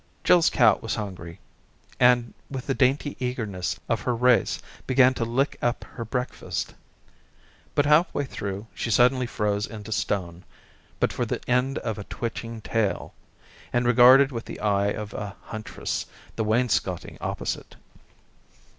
Jill's cat was hungry, and with the dainty eagerness of her race began to lick up her breakfast. But halfway through she suddenly froze into stone, but for the end of a twitching tail, and regarded with the eye of a Huntress the wainscoting opposite.